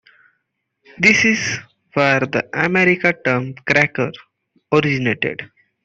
This is where the American term "cracker" originated.